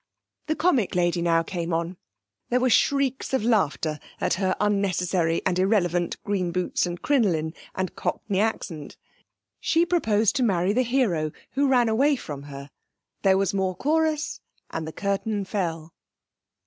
The comic lady now came on; there were shrieks of laughter at her unnecessary and irrelevant green boots and crinoline and Cockney accent. She proposed to marry the hero, who ran away from her. There was more chorus; and the curtain fell.